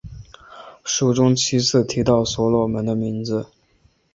书中七次提到所罗门的名字。